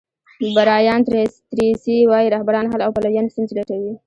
برایان تریسي وایي رهبران حل او پلویان ستونزې لټوي.